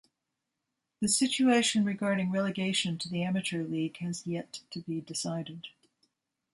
The situation regarding relegation to the Amateur League has yet to be decided.